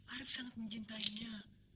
arif sangat mencintainya